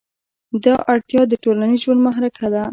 دا اړتیا د ټولنیز ژوند محرکه ده.